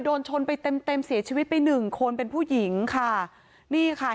โดนชนไปเต็มเต็มเสียชีวิตไปหนึ่งคนเป็นผู้หญิงค่ะนี่ค่ะ